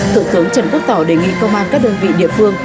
thượng tướng trần quốc tỏ đề nghị công an các đơn vị địa phương